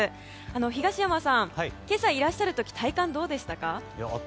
東山さん、今朝いらっしゃる時体感、どうでしたか？